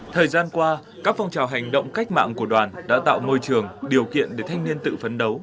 thời gian qua các phong trào hành động cách mạng của đoàn đã tạo môi trường điều kiện để thanh niên tự phấn đấu